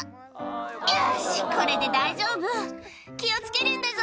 「よしこれで大丈夫」「気を付けるんだぞ」